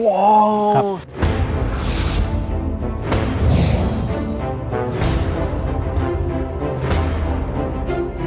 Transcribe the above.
โอ้โห